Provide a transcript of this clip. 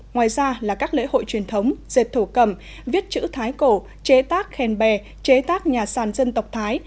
ngoài ra là các lễ hội truyền thống dệt thổ cầm viết chữ thái cổ chế tác khen bè chế tác nhà sàn dân tộc thái